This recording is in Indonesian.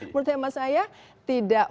menurut saya tidak